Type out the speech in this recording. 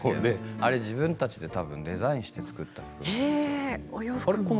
自分たちでデザインして作ったのかな。